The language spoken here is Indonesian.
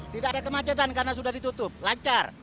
tidak ada kemacetan karena sudah ditutup lancar